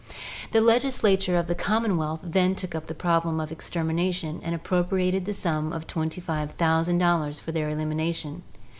The legislature of the commonwealth then took up the problem of extermination and appropriated the sum of $25,000 for their elimination.